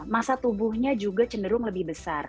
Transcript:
masa tubuhnya juga cenderung lebih besar